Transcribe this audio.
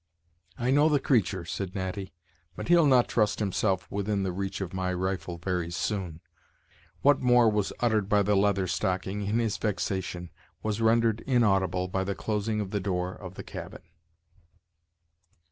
"I know the creatur'," said Natty, "but he'll not trust himself within the reach of my rifle very soon " What more was uttered by the Leather Stocking, in his vexation, was rendered inaudible by the closing of the door of the cabin.